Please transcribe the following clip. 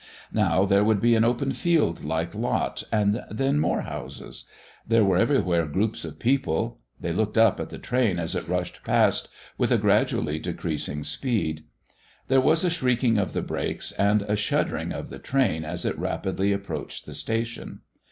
Now there would be an open field like lot and then more houses. There were everywhere groups of people. They looked up at the train as it rushed past with a gradually decreasing speed. There was a shrieking of the brakes and a shuddering of the train as it rapidly approached the station.